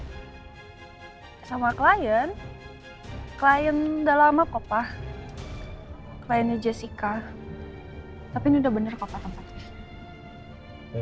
hai sama klien klien udah lama kok pak kliennya jessica tapi udah bener kok pak tempat ini